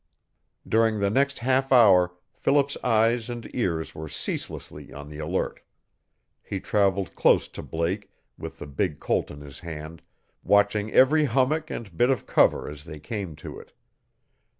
During the next half hour Philip's eyes and ears were ceaselessly on the alert. He traveled close to Blake, with the big Colt in his hand, watching every hummock and bit of cover as they came to it.